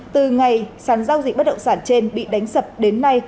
từ ngày sản giao dịch bất động sản trên bị đánh sập đến nay